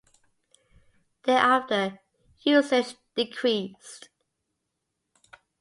Thereafter, usage decreased.